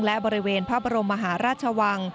และบริเวณพระบรมมหาราชวัง